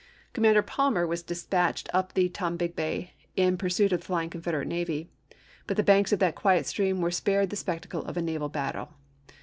Commander Palmer was dispatched up the Tom bigbee in pursuit of the flying Confederate navy ; but the banks of that quiet stream were spared the spectacle of a naval battle.